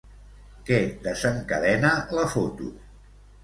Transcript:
Què desencadena la foto?